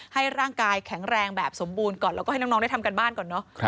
ให้ร่างกายแข็งแรงแบบสมบูรณ์ก่อนแล้วก็ให้น้องได้ทำการบ้านก่อนเนอะ